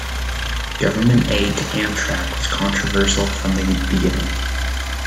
Government aid to Amtrak was controversial from the beginning.